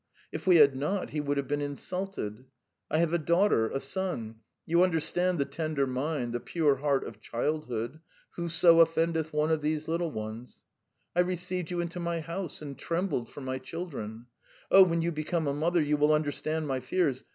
If we had not, he would have been insulted. I have a daughter, a son. ... You understand the tender mind, the pure heart of childhood ... 'who so offendeth one of these little ones.' ... I received you into my house and trembled for my children. Oh, when you become a mother, you will understand my fears.